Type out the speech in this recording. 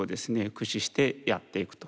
駆使してやっていくと。